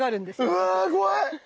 うわ怖い！